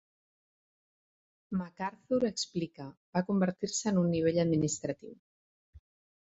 MacArthur explica, va convertir-se en un nivell administratiu.